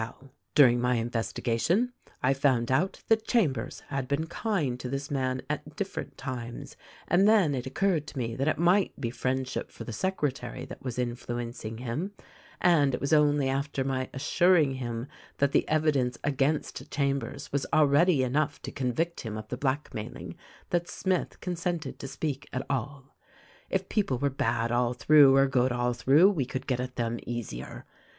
THE RECORDING ANGEL 217 "During my investigation I found out that Chambers had been kind to this man at different times ; and then it occurred to me that it might be friendship for the secre tary that was influencing him ; and it was only after my assuring him that the evidence against Chambers was already enough to convict him of the blackmailing that Smith consented to speak at all. If people were bad all through or good all through, we could get at them easier.